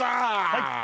はい。